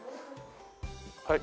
はい。